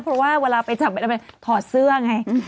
เพราะว่าเวลาไปจับใบดำใบแดงถอดเสื้อไง